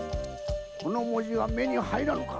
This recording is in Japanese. この文字が目に入らぬか？